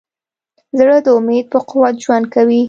زړه د امید په قوت ژوند کوي.